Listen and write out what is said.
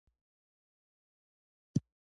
زده کوونکي دې مفرد او مؤنث نومونه را وباسي.